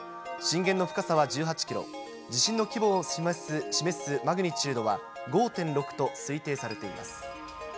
震源の深さは１８キロ、地震の規模を示すマグニチュードは５．６と推定されています。